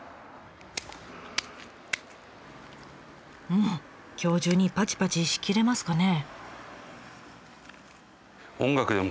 うん今日中にパチパチしきれますかね？